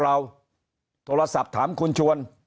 เพราะสุดท้ายก็นำไปสู่การยุบสภา